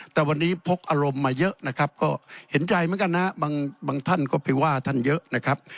แต่วันนี้พกอารมณ์มาเยอะนะครับก็เห็นใจเหมือนกันนะบางท่านก็ไปว่าท่านเยอะนะครับ